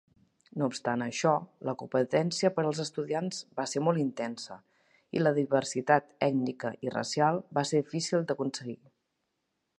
No obstant això, la competència per als estudiants va ser molt intensa i la diversitat ètnica i racial va ser difícil d'aconseguir.